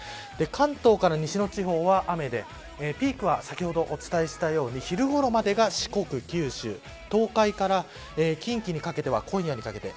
関東から西の地方は雨でピークは先ほどお伝えしたように昼ごろまでが四国、九州東海から近畿にかけては今夜にかけて。